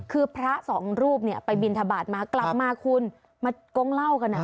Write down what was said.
คือพระสองรูปเนี่ยไปบินทบาทมากลับมาคุณมากงเล่ากัน